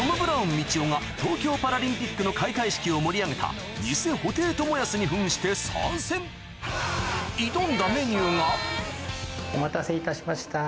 みちおが東京パラリンピックの開会式を盛り上げた偽布袋寅泰に扮して参戦挑んだメニューがお待たせいたしました。